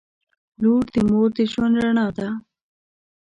• لور د مور د ژوند رڼا ده.